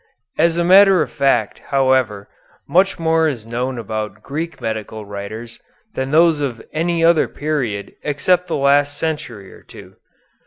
As a matter of fact, however, much more is known about Greek medical writers than those of any other period except the last century or two.